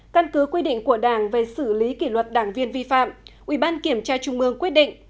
căn cứ quy định của đảng về xử lý kỷ luật đảng viên vi phạm ubkc quyết định